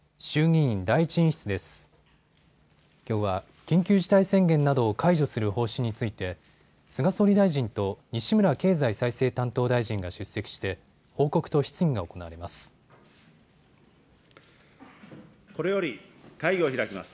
きょうは緊急事態宣言などを解除する方針について、菅総理大臣と西村経済再生担当大臣が出席して、報告と質疑が行われます。